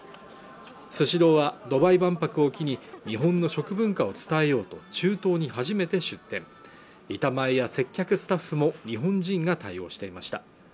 スシローはドバイ万博を機に日本の食文化を伝えようと中東に初めて出店板前や接客スタッフも日本人が対応していました